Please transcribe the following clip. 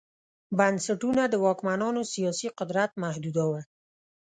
بنسټونه د واکمنانو سیاسي قدرت محدوداوه